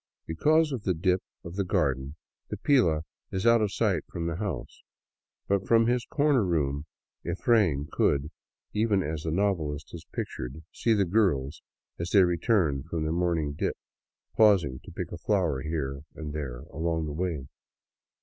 Because of the dip of the garden, the " pila " is out of sight from the house, but from his corner room " Efrain " could, even as the novelist has pictured, see the girls as they returned from their morning dip, pausing to pick a flower here and there along the way.